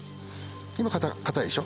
今硬いでしょ